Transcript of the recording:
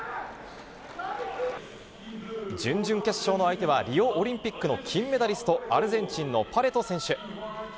準々決勝の相手は、リオオリンピックの金メダリスト、アルゼンチンのパレト選手。